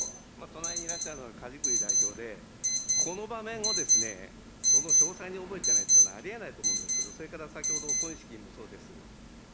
隣にいらっしゃるのが梶栗代表で、この場面をその詳細に覚えてないというのは、ありえないと思うんですよ、それから先ほど、小西議員もそうです。